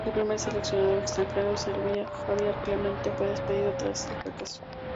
El primer seleccionador extranjero de Serbia, Javier Clemente, fue despedido tras el fracaso.